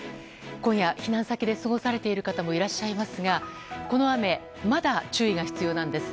今夜、避難先で過ごされている方もいらっしゃいますがこの雨、まだ注意が必要なんです。